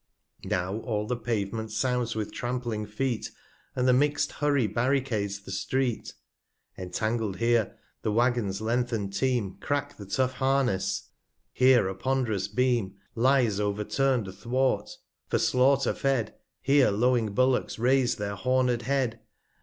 Now all the Pavement sounds with trampling Feet, And the mixt Hurry barricades the Street. 30 Entangled here, the Waggon's lengthen'd Team Crack the tough Harness ; Here a pond'rous Beam Lies over turn'd athwart ; For Slaughter fed, Here lowing Bullocks raise their horned Head.